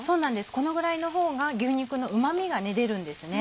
このぐらいのほうが牛肉のうま味が出るんです。